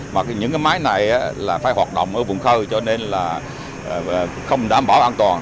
mà những cái máy này là phải hoạt động ở vùng khơi cho nên là không đảm bảo an toàn